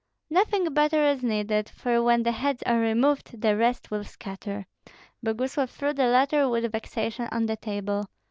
Nothing better is needed; for when the heads are removed, the rest will scatter " Boguslav threw the letter with vexation on the table.